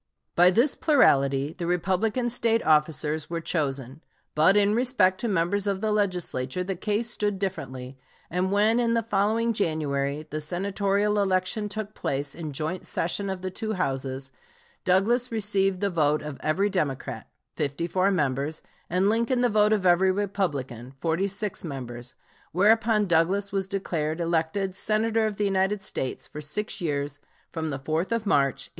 By this plurality the Republican State officers were chosen. But in respect to members of the Legislature the case stood differently, and when in the following January the Senatorial election took place in joint session of the two Houses, Douglas received the vote of every Democrat, 54 members, and Lincoln the vote of every Republican, 46 members, whereupon Douglas was declared elected Senator of the United States for six years from the 4th of March, 1859.